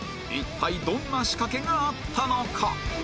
一体どんな仕掛けがあったのか？